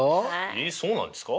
えっそうなんですか？